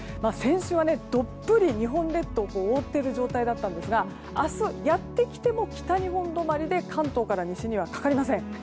先週は、どっぷり日本列島を覆っている状態だったんですが明日、やってきても北日本止まりで関東から西にはかかりません。